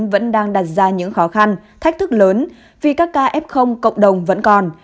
vẫn đang đặt ra những khó khăn thách thức lớn vì các ca f cộng đồng vẫn còn